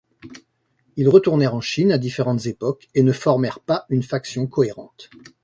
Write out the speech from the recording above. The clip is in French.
Ils retournèrent en Chine à différentes époques et ne formèrent pas une faction cohérente.